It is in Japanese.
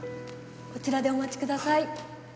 こちらでお待ちください。